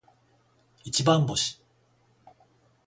一番星